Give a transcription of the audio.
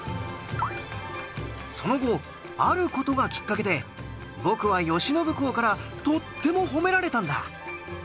その後ある事がきっかけで僕は慶喜公からとっても褒められたんだ！